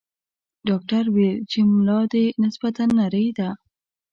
ډاکټر ویل چې ملا دې نسبتاً نرۍ ده.